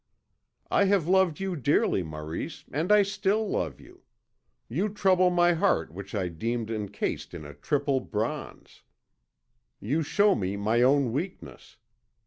"I have loved you dearly, Maurice, and I still love you. You trouble my heart which I deemed encased in triple bronze. You show me my own weakness.